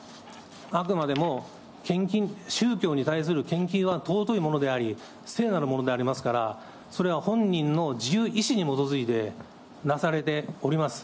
あくまでも献金、宗教に対する献金は尊いものであり、聖なるものでありますから、それは本人の自由意思に基づいてなされております。